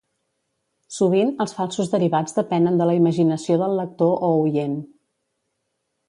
Sovint els falsos derivats depenen de la imaginació del lector o oient.